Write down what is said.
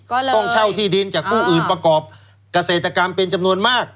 ก็เลยต้องเช่าที่ดินจากผู้อื่นประกอบเกษตรกรรมเป็นจำนวนมาก